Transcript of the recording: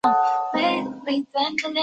迟迟未定的原因